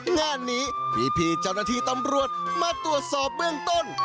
งานนี้พี่เจ้าหน้าที่ตำรวจมาตรวจสอบเบื้องต้น